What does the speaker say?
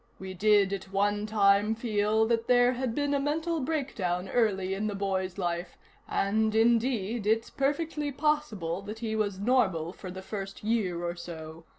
We did at one time feel that there had been a mental breakdown early in the boy's life, and, indeed, it's perfectly possible that he was normal for the first year or so.